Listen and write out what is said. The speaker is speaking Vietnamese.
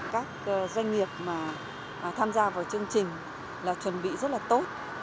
các doanh nghiệp mà tham gia vào chương trình là chuẩn bị rất là tốt